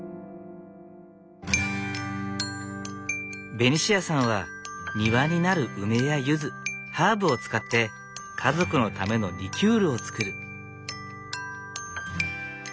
ベニシアさんは庭になる梅やゆずハーブを使って家族のためのリキュールをつくる。